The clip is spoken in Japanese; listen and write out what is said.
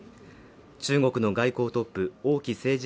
中国の外交トップ王毅政治